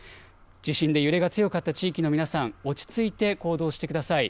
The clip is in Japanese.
地震で揺れが強かった地域の皆さん、落ち着いて行動してください。